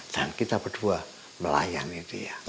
dan kita berdua melayani dia